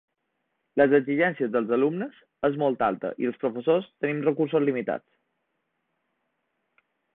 Les exigències dels alumnes és molt alta i els professors tenim recursos limitats.